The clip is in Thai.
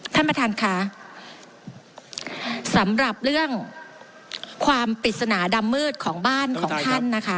ท่านประธานค่ะสำหรับเรื่องความปริศนาดำมืดของบ้านของท่านนะคะ